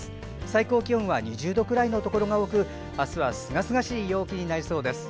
最高気温は２０度くらいのところが多くあすは、すがすがしい陽気になりそうです。